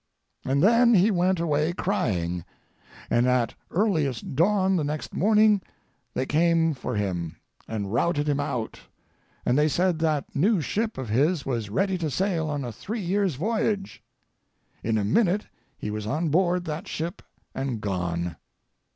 "And then he went away crying, and at earliest dawn the next morning they came for him and routed him out, and they said that new ship of his was ready to sail on a three years' voyage. In a minute he was on board that ship and gone.